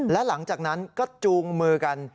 และหลังจากนั้นก็จูงมือกัน